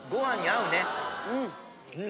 うん。